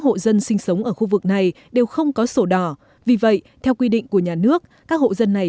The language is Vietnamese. hộ dân sinh sống ở khu vực này đều không có sổ đỏ vì vậy theo quy định của nhà nước các hộ dân này